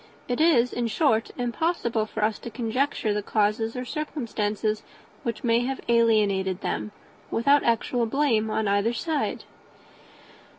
It is, in short, impossible for us to conjecture the causes or circumstances which may have alienated them, without actual blame on either side."